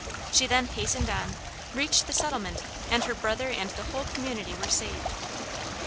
She then hastened on, reached the settlement, and her brother and the whole community were saved.